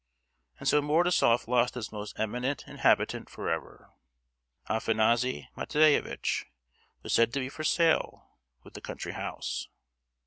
And so Mordasof lost its most eminent inhabitant for ever! Afanassy Matveyevitch was said to be for sale with the country house.